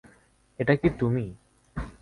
এটা কি তুমি?